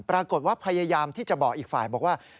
ปรากฏว่าพยายามที่จะบอกอีกฝ่ายบอกว่า